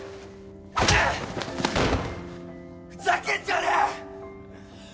ふざけんじゃねえ！